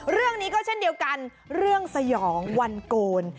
เรื่องนี้ก็เช่นเดียวกันเรื่องสยองวันโกน